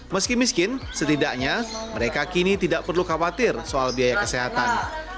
meski miskin setidaknya mereka kini tidak perlu khawatir soal biaya kesehatan